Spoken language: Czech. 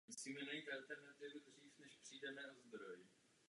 Hlavními kandidáty byli Bill Clinton a Bob Dole.